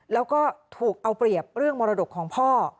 แล้วก็ถูกเอาเปรียบเรื่องมรดกของพ่อ